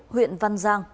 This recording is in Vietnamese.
huyện văn giang